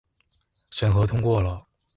審核通過了